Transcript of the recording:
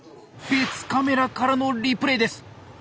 別カメラからのリプレーです。